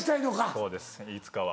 そうですいつかは。